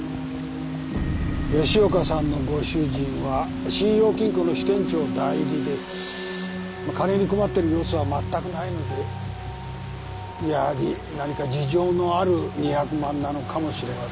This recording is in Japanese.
吉岡さんのご主人は信用金庫の支店長代理で金に困ってる様子はまったくないのでやはり何か事情のある２００万なのかもしれませんね。